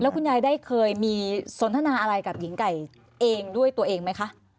คุณยายได้เคยมีสนทนาอะไรกับหญิงไก่เองด้วยตัวเองไหมคะ